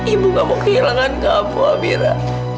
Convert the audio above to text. ibu gak mau kehilangan kamu abira